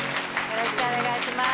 よろしくお願いします